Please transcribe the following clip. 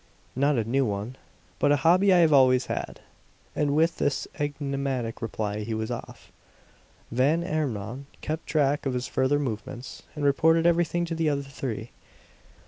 "Not a new one; but a hobby I have always had." And with this enigmatic reply he was off. Van Emmon kept track of his further movements, and reported everything to the other three.